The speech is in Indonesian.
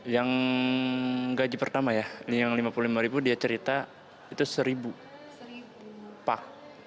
yang gaji pertama ya yang lima puluh lima ribu dia cerita itu seribu pak